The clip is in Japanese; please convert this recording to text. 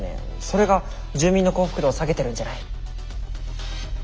それが住民の幸福度を下げてるんじゃない？